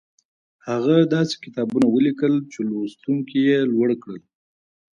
هغه داسې کتابونه وليکل چې لوستونکي يې لوړ کړل.